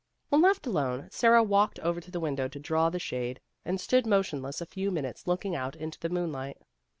When left alone, Sara walked over to the window to draw the shade, and stood motionless a few minutes looking out into the moonlight.